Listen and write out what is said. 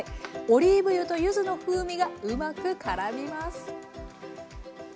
オリーブ油と柚子の風味がうまくからみます。